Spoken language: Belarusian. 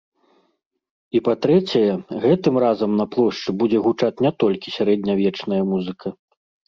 І па-трэцяе, гэтым разам на плошчы будзе гучаць не толькі сярэднявечная музыка.